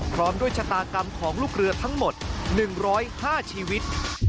พร้อมด้วยชะตากรรมของลูกเรือทั้งหมด๑๐๕ชีวิต